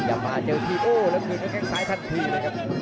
ขอบคุณครับ